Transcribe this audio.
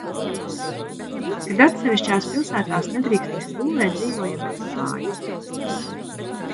Kad atsevišķās pilsētās nedrīkstēja būvēt dzīvojamās mājas.